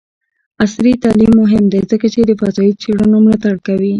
عصري تعلیم مهم دی ځکه چې د فضايي څیړنو ملاتړ کوي.